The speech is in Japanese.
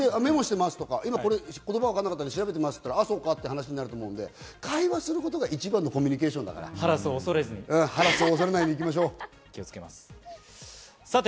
メモしてます、これを調べてますとか、ああそうかという話になるから会話することが一番のコミュニケーションだからハラスを恐れないで行きましょう。